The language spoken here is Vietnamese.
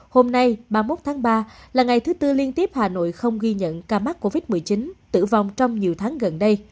hôm nay ba mươi một tháng ba là ngày thứ tư liên tiếp hà nội không ghi nhận ca mắc covid một mươi chín tử vong trong nhiều tháng gần đây